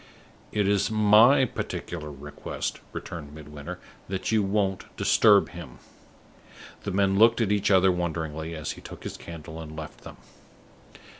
"It is my particular request," returned Midwinter, "that you won't disturb him." The men looked at each other wonderingly, as he took his candle and left them.